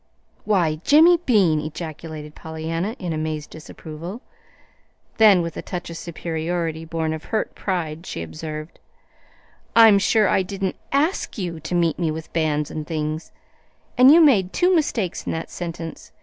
"Why, Jimmy Bean!" ejaculated Pollyanna, in amazed disapproval. Then, with a touch of superiority born of hurt pride, she observed: "I'm sure I didn't ASK you to meet me with bands and things and you made two mistakes in that sentence.